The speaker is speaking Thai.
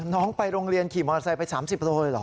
น้องไปโรงเรียนขี่มอเตอร์ไซค์ไป๓๐โลเลยเหรอ